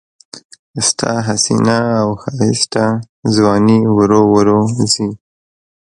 ستا حسینه او ښایسته ځواني ورو ورو ځي